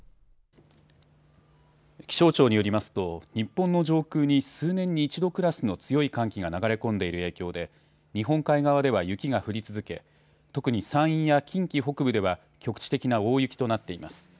気象庁によりますと、日本の上空に数年に一度クラスの強い寒気が流れ込んでいる影響で、日本海側では雪が降り続け、特に山陰や近畿北部では局地的な大雪となっています。